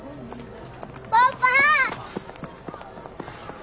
パパ！